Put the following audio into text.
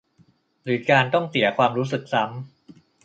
หรือการต้องเสียความรู้สึกซ้ำ